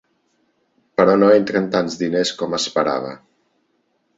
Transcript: Però no entren tants diners com esperava.